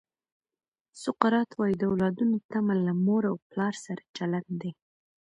سقراط وایي د اولادونو تمه له مور او پلار سره چلند دی.